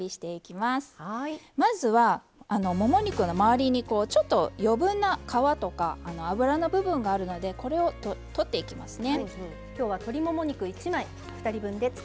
まずは、もも肉の周りに余分な皮とか脂の部分があるのでこれを取っていきますね。